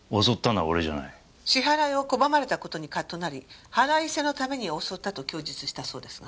支払いを拒まれた事にカッとなり腹いせのために襲ったと供述したそうですが。